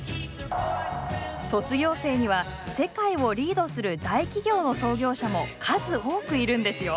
卒業生には世界をリードする大企業の創業者も数多くいるんですよ。